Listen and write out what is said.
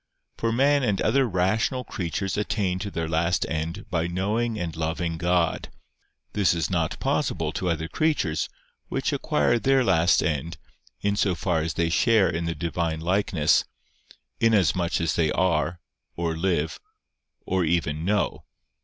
For man and other rational creatures attain to their last end by knowing and loving God: this is not possible to other creatures, which acquire their last end, in so far as they share in the Divine likeness, inasmuch as they are, or live, or even know.